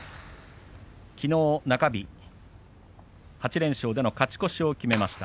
きのう中日、８連勝での勝ち越しを決めました